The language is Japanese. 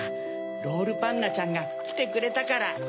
ロールパンナちゃんがきてくれたから。